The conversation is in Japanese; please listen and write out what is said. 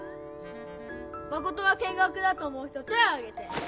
マコトは見学だと思う人手をあげて！